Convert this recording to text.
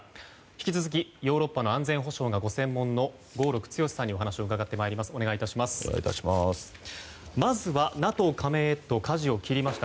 引き続きヨーロッパの安全保障がご専門の合六強さんにお話を伺っていきます。